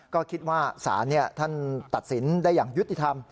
ก็คิดว่าศาลท่านตัดสินได้อย่างยุติธรรม